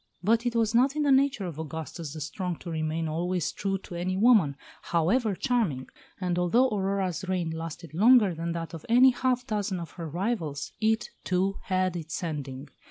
But it was not in the nature of Augustus the Strong to remain always true to any woman, however charming; and although Aurora's reign lasted longer than that of any half dozen of her rivals, it, too, had its ending.